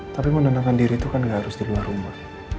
tapi menenangkan diri itu kan gak harus di luar rumah